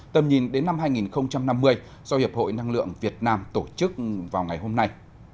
tầm nhìn đến năm hai nghìn năm mươi do hiệp hội năng lượng việt nam tổ chức vào ngày hôm nay